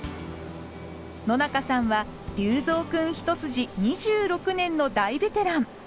野中さんは粒造くん一筋２６年の大ベテラン。